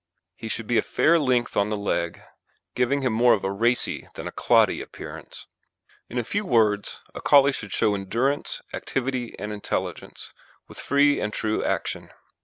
He should be a fair length on the leg, giving him more of a racy than a cloddy appearance. In a few words, a Collie should show endurance, activity, and intelligence, with free and true action.